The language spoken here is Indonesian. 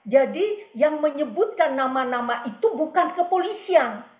jadi yang menyebutkan nama nama itu bukan kepolisian